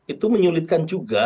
itu menyulitkan juga